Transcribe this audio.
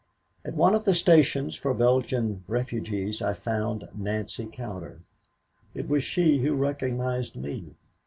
"At one of the stations for Belgian refugees I found Nancy Cowder. It was she who recognized me.